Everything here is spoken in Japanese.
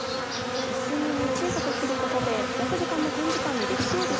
薄めに小さく切ることで焼く時間も短時間にできますよね。